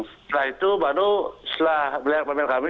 setelah itu baru setelah melihat pameran kami